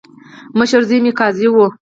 مشر زوی مې قاضي وو.